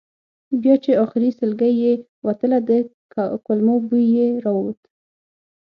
بیا چې آخري سلګۍ یې وتله د کولمو بوی یې راووت.